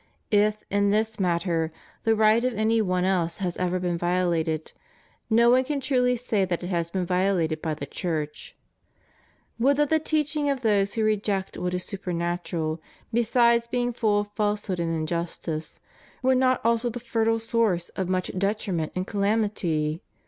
If, in this matter, the right of any one else has ever been violated, no one can truly say that it has been violated by the Church. Would that the teaching of those who reject what is supernatural, besides being full of falsehood and injustice, were not also the fertile source of much detriment and calamity!